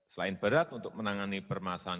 selain berat untuk menangani permasalahan